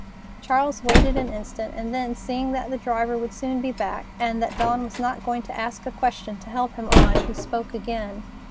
Charles waited an instant, and then, seeing that the driver would soon be back, and that Dawn was not going to ask a question to help him on, he spoke again.